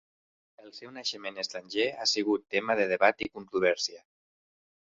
El seu naixement estranger ha sigut tema de debat i controvèrsia.